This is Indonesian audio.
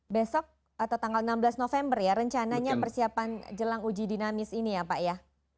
besok atau tanggal enam belas november ya rencananya persiapan jelang uji dinamis ini ya pak ya